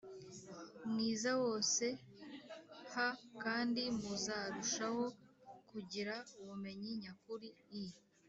mwiza wose h kandi muzarushaho kugira ubumenyi nyakuri i